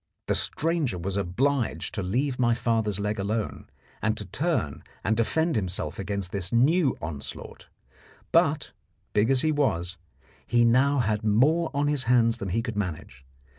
The stranger was obliged to leave my father's leg alone and to turn and defend himself against this new onslaught; but, big as he was, he now had more on his hands than he could manage.